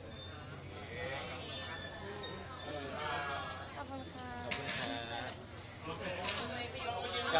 ขอบคุณครับ